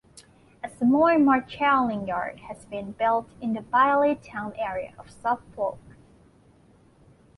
A small marshalling yard has been built in the Baileytown area of Suffolk.